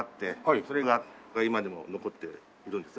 それが今でも残っているんですよね。